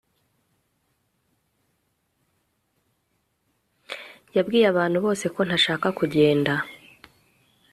yabwiye abantu bose ko ntashaka kugenda